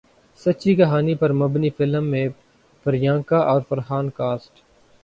سچی کہانی پر مبنی فلم میں پریانکا اور فرحان کاسٹ